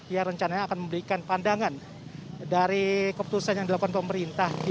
yang rencananya akan memberikan pandangan dari keputusan yang dilakukan pemerintah